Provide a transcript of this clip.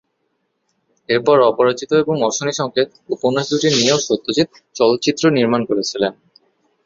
এরপর অপরাজিত এবং অশনি সংকেত উপন্যাস দুটি নিয়েও সত্যজিৎ চলচ্চিত্র নির্মাণ করেছিলেন।